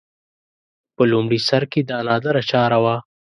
په لومړي سر کې دا نادره چاره وه